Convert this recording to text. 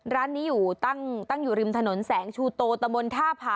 ร้านนี้อยู่ตั้งอยู่ริมถนนแสงชูโตตะมนต์ท่าผา